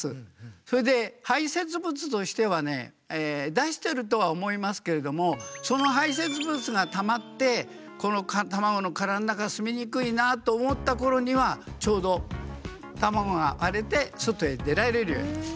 それで排泄物としてはね出してるとは思いますけれどもその排泄物がたまってこの卵のからの中すみにくいなと思ったころにはちょうど卵が割れて外へ出られるようになる。